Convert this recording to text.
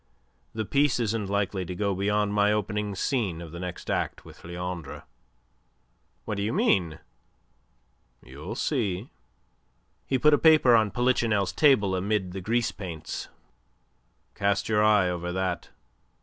"The piece isn't likely to go beyond my opening scene of the next act with Leandre." "What do you mean?" "You'll see." He put a paper on Polichinelle's table amid the grease paints. "Cast your eye over that.